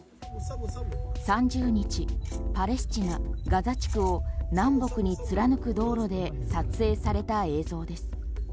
３０日パレスチナ・ガザ地区を南北に貫く道路で撮影された映像です。